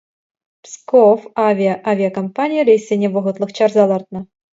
«Псковавиа» авиакомпани рейссене вӑхӑтлӑх чарса лартнӑ.